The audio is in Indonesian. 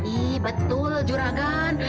ii betul juragan